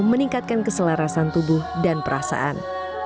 meningkatkan keselarasan tubuh dan perasaan